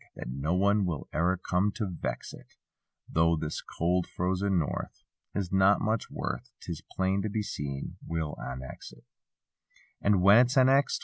That no one will e'er come to vex it; Though this cold frozen north. Is not of much worth 'Tis plain to be seen—we'll annex it. And when it's annexed.